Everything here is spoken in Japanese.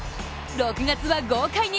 ６月は豪快に！